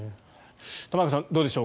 玉川さん、どうでしょう。